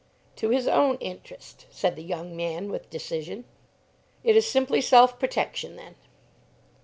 "To his own interest," said the young man with decision. "It is simply self protection then?"